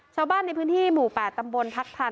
ชาวบ้านในพื้นที่หมู่๘ตำบลพักพันธ